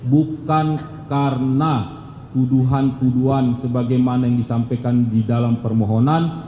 bukan karena tuduhan tuduhan sebagaimana yang disampaikan di dalam permohonan